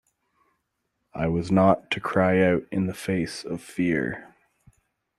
I was not to cry out in the face of fear.